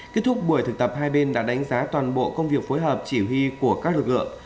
kết thúc buổi thực tập hai bên đã đánh giá toàn bộ công việc phối hợp chỉ huy của các lực lượng